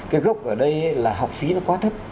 cái gốc ở đây là học phí nó quá thấp